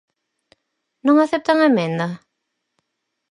¿Non aceptan a emenda?